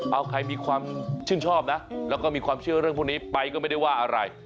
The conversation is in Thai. เอาใครมีความชื่นชอบนะแล้วก็มีความเชื่อเรื่องพวกนี้ไปก็ไม่ได้ว่าอะไร